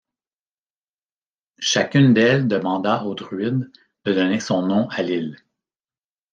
Chacune d’elles demanda au druide de donner son nom à l’île.